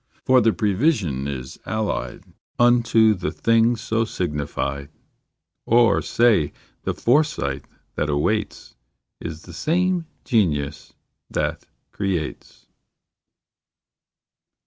For the prevision is allied Unto the thing so signified; Or say, the foresight that awaits Is the same Genius that creates.